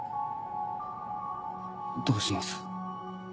どうします？